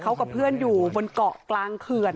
เขากับเพื่อนอยู่บนเกาะกลางเขื่อน